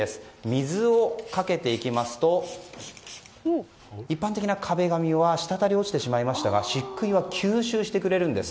水をかけていきますと一般的な壁紙は滴り落ちてしまいましたが漆喰は吸収してくれるんです。